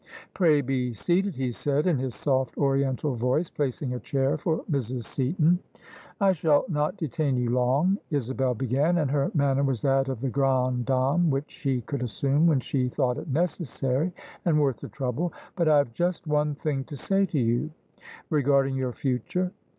" Pray be seated," he said, in his soft, oriental voice, placing a chair for Mrs. Seaton. OF ISABEL CARNABY "I shall not detain you long," Isabel began, and her manner was that of the grande dame, which she could assume when she thought it necessary and worth the trou ble. " But I have just one thing to say to you," " Regarding your future?